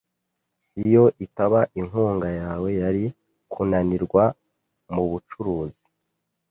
Iyo itaba inkunga yawe, yari kunanirwa mubucuruzi.